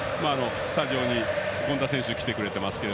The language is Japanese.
スタジオに権田選手が来てくれていますが。